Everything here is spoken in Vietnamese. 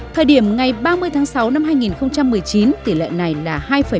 thời điểm ngày ba mươi tháng sáu năm hai nghìn một mươi chín tỷ lệ này là hai một mươi một